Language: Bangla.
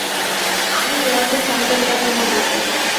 আমি মেয়রকে সহযোগিতার জন্য বলবো।